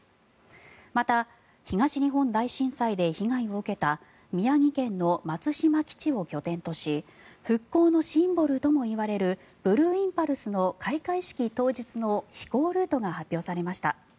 また、東日本大震災で被害を受けた宮城県の松島基地を拠点とし復興のシンボルともいわれるブルーインパルスの開会式当日の飛行ルートが発表されました。